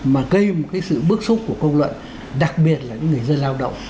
mà gây một cái sự bức xúc của công luận đặc biệt là những người dân lao động